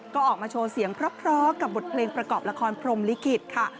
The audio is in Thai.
ก็ออกมาโชว์เสียงพร้อมกับบทเพลงประกอบละครพรมลิขิตค่ะ